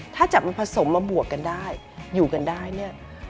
ถ้าจะผสมมาบวกกันได้อยู่กันได้